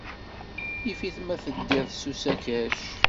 Yif-it ma teddiḍ s usakac.